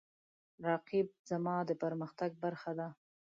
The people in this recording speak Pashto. رقیب زما د پرمختګ برخه ده